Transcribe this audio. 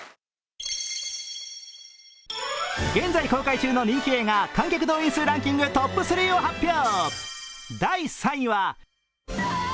現在公開中の人気映画観客動員数ランキングトップ３を発表。